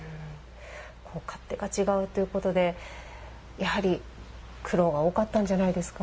勝手が違うということでやはり苦労が多かったんじゃないですか。